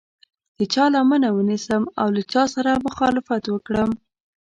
د چا لمنه ونیسم او له چا سره مخالفت وکړم.